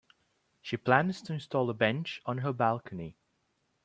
She plans to install a bench on her balcony.